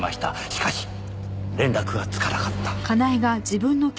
しかし連絡がつかなかった。